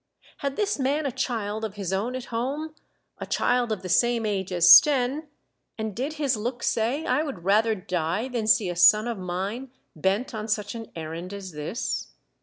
Had this man a child of his own at home, a child of the same age as Stenne, and did his look say, " I would rather die than see a son of mine bent on such an errand as this"